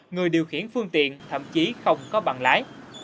người điều khiển phương tiện thậm chí không có bằng lái